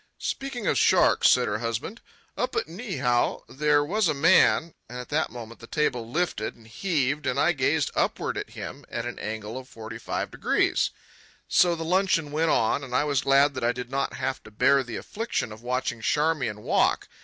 "Speaking of sharks," said her husband, "up at Niihau there was a man—" And at that moment the table lifted and heaved, and I gazed upward at him at an angle of forty five degrees. So the luncheon went on, and I was glad that I did not have to bear the affliction of watching Charmian walk.